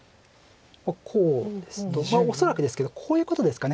こうですと恐らくですけどこういうことですか。